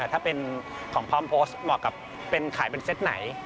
ถ้าเป็นของพร้อมโพสต์เหมาะกับขายเป็นเซตไหน